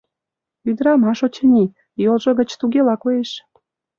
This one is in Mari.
— Ӱдырамаш, очыни... йолжо гыч тугела коеш.